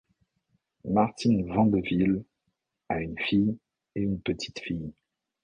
Martine Vandeville a une fille et une petite fille.